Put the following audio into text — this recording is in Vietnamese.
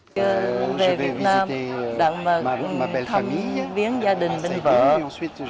về việt nam bạn mời thăm viên gia đình bên kia